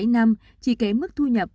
một mươi bảy năm chị kể mức thu nhập